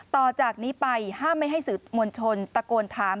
ต่อจากนี้ไปห้ามไม่ให้สื่อมวลชนตะโกนถาม